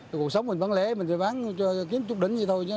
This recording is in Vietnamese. cuộc sống mình bán lẻ mình chỉ bán kiếm chút đỉnh vậy thôi